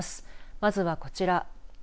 まずはこちら。